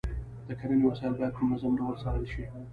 د کرنې وسایل باید په منظم ډول وڅارل شي.